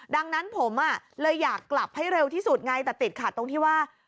ดังนั้นผมเลยอยากกลับให้เร็วที่สุดไงแต่ติดขัดตรงที่ว่า